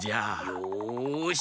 よし！